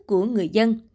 của nhân dân